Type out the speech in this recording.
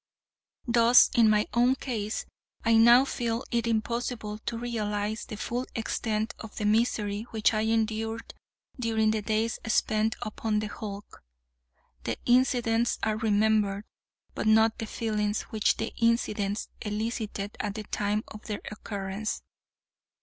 Thus, in my own case, I now feel it impossible to realize the full extent of the misery which I endured during the days spent upon the hulk. The incidents are remembered, but not the feelings which the incidents elicited at the time of their occurrence.